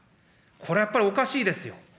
これはやっぱりおかしいですよ。